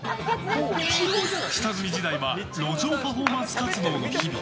下積み時代は路上パフォーマンス活動の日々。